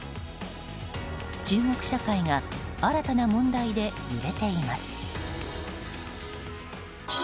中国社会が新たな問題で揺れています。